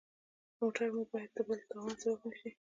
موټر مو باید د بل تاوان سبب نه شي.